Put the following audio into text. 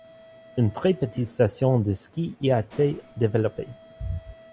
Une très petite station de ski y a été développée.